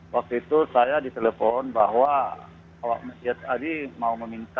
waktu itu saya diselepon bahwa awak media tadi mau meminta